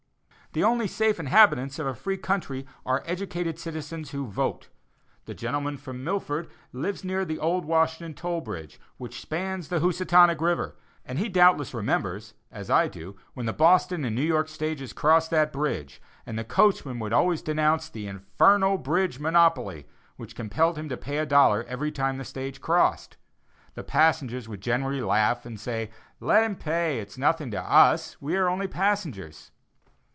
The only safe inhabitants of a free country are educated citizens who vote. The gentleman from Milford lives near the old Washington toll bridge, which spans the Housatonic River, and he doubtless remembers, as I do, when the Boston and New York stages crossed that bridge, and the coachman would always denounce the "infernal bridge monopoly" which compelled him to pay a dollar every time the stage crossed. The passengers would generally laugh and say: "Let him pay, it's nothing to us; we are only passengers."